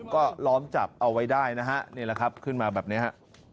ก็ล้อมจับเอาไว้ได้นะฮะนี่แหละครับขึ้นมาแบบนี้ฮะ